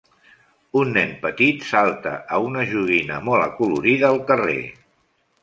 Un nen petit salta a una joguina molt acolorida al carrer.